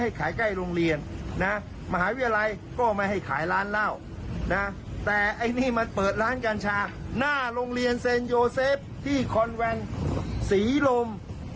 หน้าโรงเรียนเซนโยเซฟที่คอนแวนสีลม